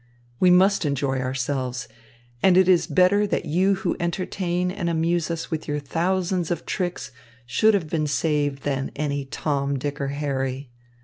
We must enjoy ourselves; and it is better that you who entertain and amuse us with your thousands of tricks should have been saved than any Tom, Dick, or Harry.